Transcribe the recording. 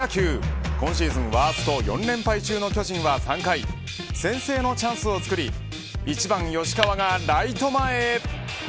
ここからはプロ野球今シーズンワースト４連敗中の巨人は３回先制のチャンスをつくり１番吉川がライト前へ。